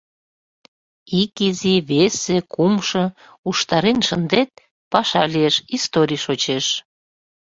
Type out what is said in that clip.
— Ик изи, весе, кумшо... уштарен шындет — паша лиеш, историй шочеш...